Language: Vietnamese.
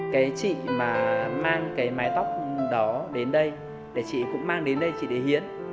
cái chị mà mang cái mái tóc đó đến đây để chị cũng mang đến đây chị để hiến